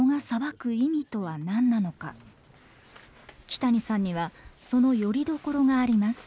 木谷さんにはそのよりどころがあります。